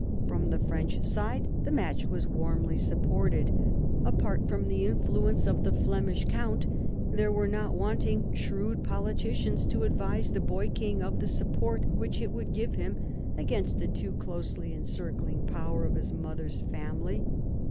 From the French side the match was warmly supported. Apart from the influence of the Flemish count, there were not wanting shrewd politi cians to advise the boy king of the support which it would give him against the too closely encircling power of his mother's family.